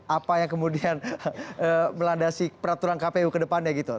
apa yang kemudian melandasi peraturan kpu ke depannya gitu